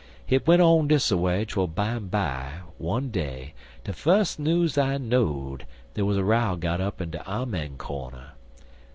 Hit went on dis way twel bimeby, one day, de fus news I know'd der was a row got up in de amen cornder.